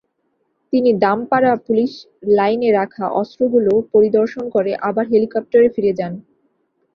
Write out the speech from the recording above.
তিনি দামপাড়া পুলিশ লাইনে রাখা অস্ত্রগুলো পরিদর্শন করে আবার হেলিকপ্টারে ফিরে যান।